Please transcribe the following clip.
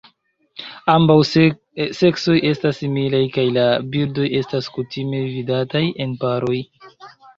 Ambaŭ seksoj estas similaj kaj la birdoj estas kutime vidataj en paroj.